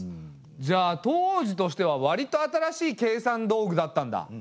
じゃあ当時としてはわりと新しい計算道具だったんだ。